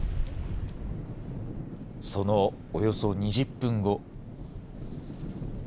そのおよそ２０分後。